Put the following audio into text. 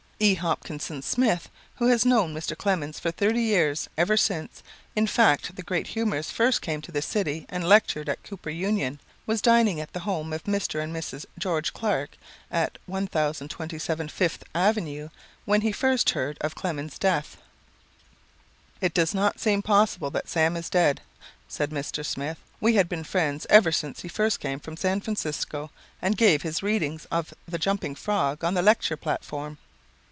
E. Hopkinson Smith, who has known Mr. Clemens for thirty years ever since, in fact, the great humorist first came to this city and lectured at Cooper Union, was dining at the home of Mr. and Mrs. George Clark at 1,027 Fifth Avenue when he first heard of Clemen's death. "It does not seem possible that Sam is dead," said Mr. Smith. "We had been friends ever since he first came from San Francisco and gave his readings of 'The Jumping Frog' on the lecture platform.